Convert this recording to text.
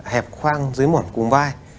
hẹp khoang dưới mỏm cùng vai